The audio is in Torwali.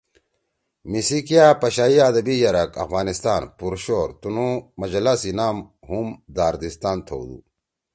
میِسی کیا پشائی آدبی یرک افغانستان(پرشور) تنُو مجّلہ سی نام ہُم داردستان تھؤدُو۔